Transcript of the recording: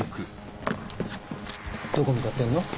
どこ向かってんの？